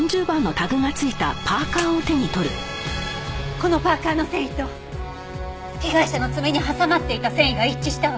このパーカの繊維と被害者の爪に挟まっていた繊維が一致したわ。